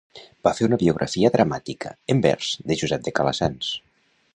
Va fer una biografia dramàtica, en vers, de Josep de Calassanç.